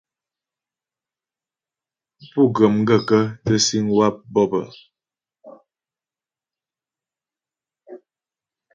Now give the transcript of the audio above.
Pú ghə́ m gaə̂kə́ tə síŋ waə̂ bɔ̂p ?